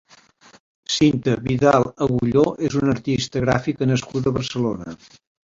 Cinta Vidal Agulló és una artista gràfica nascuda a Barcelona.